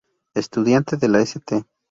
Estudiante de la St.